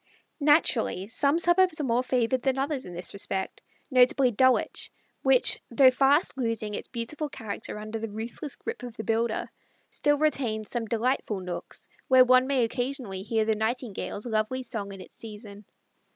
Naturally some suburbs are more favored than others in this respect, notably Dulwich, which, though fast losing its beautiful character under the ruthless grip of the builder, still retains some delightful nooks where one may occasionally hear the Nightingale's lovely song in its season.